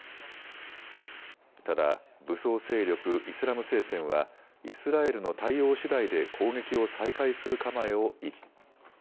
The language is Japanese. ただ武装勢力、イスラム聖戦はイスラエルの対応しだいで攻撃を再開する構えを維持。